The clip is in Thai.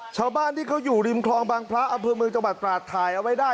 ชาวบ้านที่เขาอยู่ริมคลองบางพระอำเภอเมืองจังหวัดตราดถ่ายเอาไว้ได้